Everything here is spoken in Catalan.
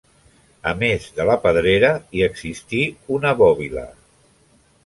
A més de la pedrera, hi existí una bòbila.